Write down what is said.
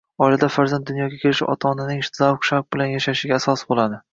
Oilada farzand dunyoga kelishi ota-onaning zavq-shavq bilan yashashiga asos bo‘ladi.